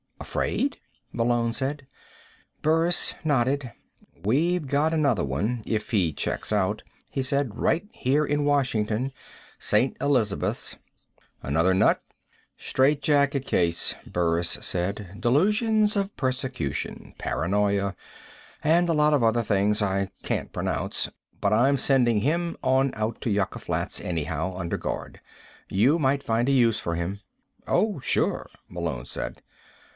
"Afraid?" Malone said. Burris nodded. "We've got another one if he checks out," he said. "Right here in Washington St. Elizabeths." "Another nut?" "Strait jacket case," Burris said. "Delusions of persecution. Paranoia. And a lot of other things I can't pronounce. But I'm sending him on out to Yucca Flats anyhow, under guard. You might find a use for him." "Oh, sure," Malone said.